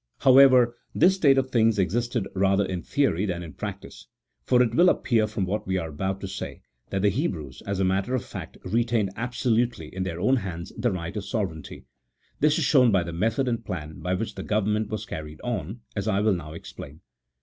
However, this state of things existed rather in theory than in practice, for it will appear from what we are about to say, that the Hebrews, as a matter of fact, retained absolutely in their own hands the right of sovereignty : this is shown by the method and plan by which the govern ment was carried on, as I will now explain.